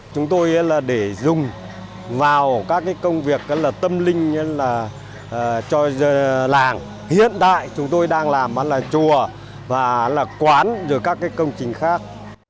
chúng tôi để dùng vào các công việc tâm linh cho làng hiện đại chúng tôi đang làm là chùa và quán và các công trình khác